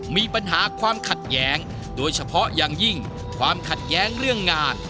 มีปัญหาความขัดแย้งโดยเฉพาะอย่างยิ่งความขัดแย้งเรื่องงาน